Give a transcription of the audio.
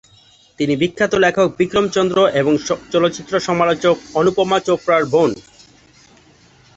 তিনি বিখ্যাত লেখক বিক্রম চন্দ্র এবং চলচ্চিত্র সমালোচক অনুপমা চোপড়ার বোন।